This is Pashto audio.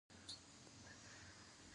ماسونه په لنده ځمکه شنه کیږي